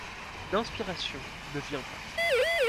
L'inspiration ne vient pas.